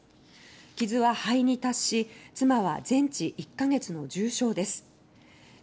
傷は肺に達し妻は全治１カ月の重傷です。